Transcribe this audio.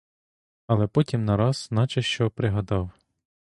Але потім нараз наче що пригадав.